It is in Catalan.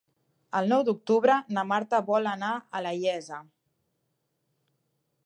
El nou d'octubre na Marta vol anar a la Iessa.